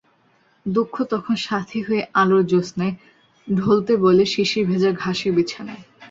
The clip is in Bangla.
দুঃখ তখন সাথি হয়ে আলোর জ্যোৎস্নায়, ঢলতে বলে শিশিরভেজা ঘাসের বিছানায়।